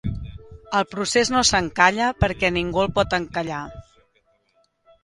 El procés no s’encalla perquè ningú no el pot encallar.